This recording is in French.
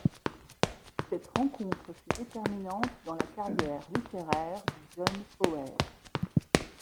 Cette rencontre fut déterminante dans la carrière littéraire du jeune poète.